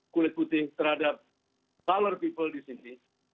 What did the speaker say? kulit putih terhadap solar people di sini